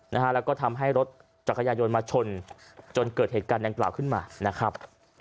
นะฮะแล้วก็ทำให้รถจักรยายนต์มาชนจนเกิดเหตุการณ์ดังกล่าวขึ้นมานะครับ